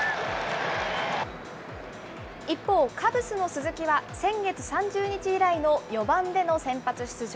一方、カブスの鈴木は、先月３０日以来の４番での先発出場。